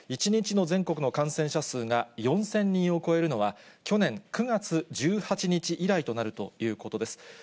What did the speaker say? １日の全国の感染者数が４０００人を超えるのは、去年９月１８日以来となるということです。